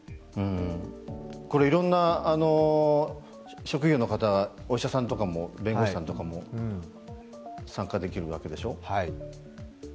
いろんな職業の方、お医者さんとか弁護士さんとかも参加できるわけでしょ。